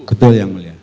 betul yang mulia